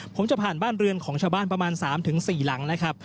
ผมจะผ่านบ้านเรือนของชาวบ้านประมาณ๓๔หลังนะครับ